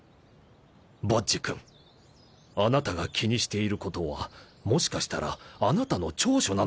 ボッジ君あなたが気にしていることはもしかしたらあなたの長所なのかもしれない。